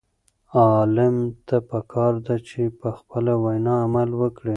عالم ته پکار ده چې په خپله وینا عمل وکړي.